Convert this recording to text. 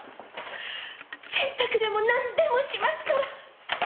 洗濯でもなんでもしますから！